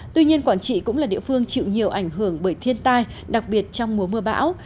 tuy nhiên quảng trị cũng là địa phương chịu nhiều ảnh hưởng bởi thiên tai đặc biệt trong mùa mưa bão